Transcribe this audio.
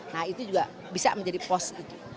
nah itu juga bisa menjadi pos